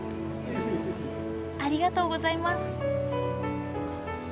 ありがとうございます。